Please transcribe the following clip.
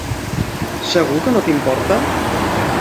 ¿Segur que no t'importa?